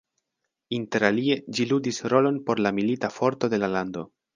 Interalie ĝi ludis rolon por la milita forto de la lando.